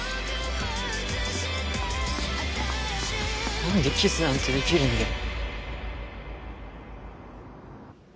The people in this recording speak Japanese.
何でキスなんてできるんだよ。